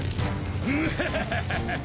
ムハハハハ！